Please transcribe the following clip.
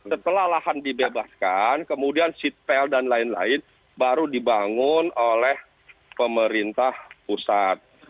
setelah lahan dibebaskan kemudian seat pel dan lain lain baru dibangun oleh pemerintah pusat